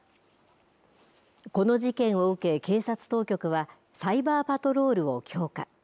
この事件を受け、警察当局はサイバーパトロールを強化。